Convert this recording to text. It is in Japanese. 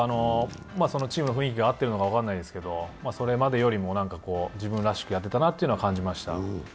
チームの雰囲気が合っているのか分からないですけれども、それまでよりも自分らしくやってたなというのは感じました。